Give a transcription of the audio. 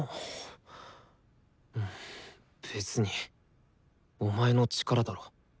別にお前の力だろ。